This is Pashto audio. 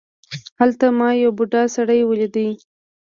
هلته ما یو بوډا سړی ولید.